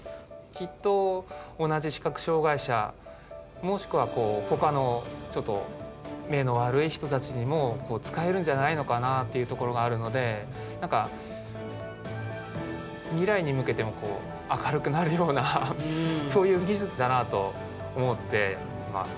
きっと同じ視覚障害者もしくはこうほかのちょっと目の悪い人たちにも使えるんじゃないのかなっていうところがあるので何か未来に向けてもこう明るくなるようなそういう技術だなと思ってます。